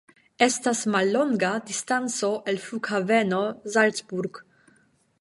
Estas mallonga distanco el Flughaveno Salzburg.